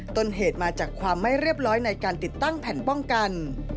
ต้นเหตุมาจากความไม่เรียบร้อยในการติดตั้งแผ่นป้องกัน